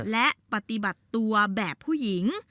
และปฏิบัติตัวแบบผู้หญิง